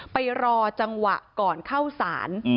ไปรอจังหวะก่อนเข้าศาล